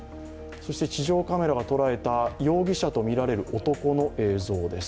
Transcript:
地上カメラが捉えた容疑者とみられる男の映像です。